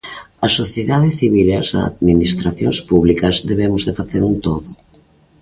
A sociedade civil e as administracións públicas debemos de facer un todo.